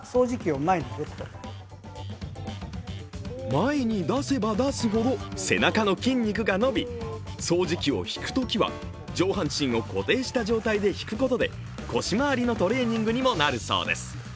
前に出せば出すほど背中の筋肉が伸び、掃除機を引くときは上半身を固定した状態で引くことで腰回りのトレーニングにもなるそうです。